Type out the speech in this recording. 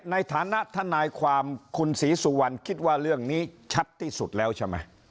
ในฐานะทนายความคุณศรีสุวรรณคิดว่าเรื่องนี้ชัดที่สุดแล้วใช่ไหม